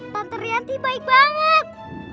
tante rianti baik banget